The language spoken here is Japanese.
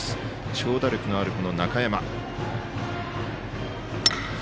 長打力のある中山。